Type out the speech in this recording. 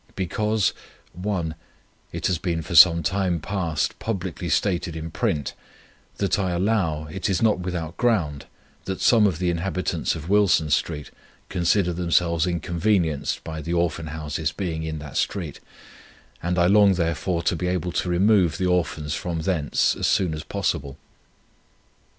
Because (1) it has been for some time past publicly stated in print, that I allow it is not without ground that some of the inhabitants of Wilson Street consider themselves inconvenienced by the Orphan Houses being in that street, and I long therefore to be able to remove the Orphans from thence as soon as possible.